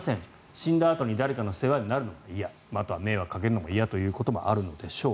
死んだあとに誰かの世話になるのは嫌迷惑かけるのも嫌ということもあるのでしょう。